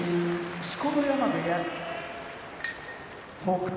錣山部屋北勝